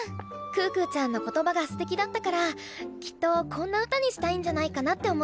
可可ちゃんの言葉がすてきだったからきっとこんな歌にしたいんじゃないかなって思って作ってみたの。